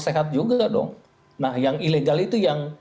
sehat juga dong nah yang ilegal itu yang